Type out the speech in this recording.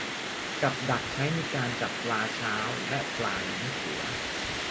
กับดักใช้ในการจับปลาเช้าและ ปลาลิ้นเสือ